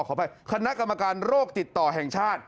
ขออภัยคณะกรรมการโรคติดต่อแห่งชาติ